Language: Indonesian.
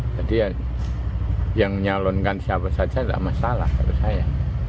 jadi yang mencalonkan siapa saja nggak masalah kalau saya